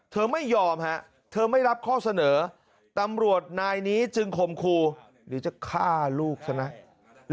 เธอไม่ยอมฮะเธอไม่รับข้อเสนอตำรวจนายนี้จึงคมครูเดี๋ยวจะฆ่าลูกซะนะ